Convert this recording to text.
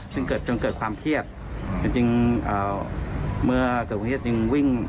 ซึ่งเกิดจนเกิดความเทียบจริงเมื่อเกิดความเทียบ